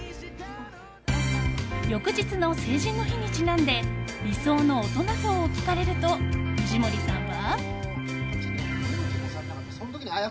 翌日の成人の日にちなんで理想の大人像を聞かれると藤森さんは。